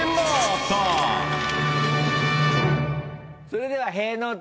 それでは。